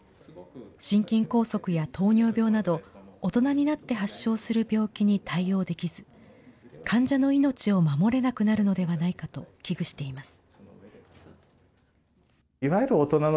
心筋梗塞や糖尿病など、大人になって発症する病気に対応できず、患者の命を守れなくなるのではないかと危惧しています。